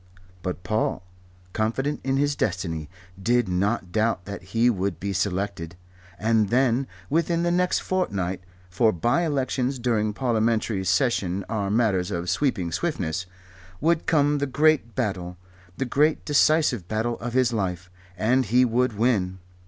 But Paul, confident in his destiny, did not doubt that he would be selected. And then, within the next fortnight for bye elections during a Parliamentary session are matters of sweeping swiftness would come the great battle, the great decisive battle of his life, and he would win.